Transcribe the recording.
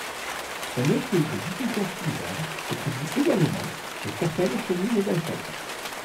Un effet de diffusion similaire se produit également chez certaines chenilles d'insectes.